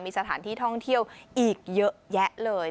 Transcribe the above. มีสถานที่ท่องเที่ยวอีกเยอะแยะเลย